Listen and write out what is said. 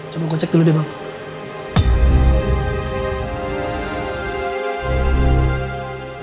coba gue cek dulu deh bang